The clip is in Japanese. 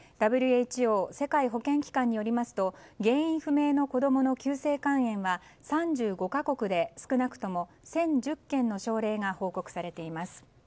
ＷＨＯ・世界保健機関によりますと原因不明の子供の急性肝炎は３５か国で少なくとも１０１０件の症例が報告されています。